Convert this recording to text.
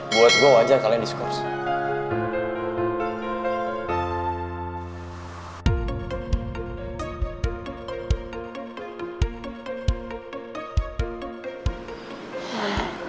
buat gue wajar kalian diskorsi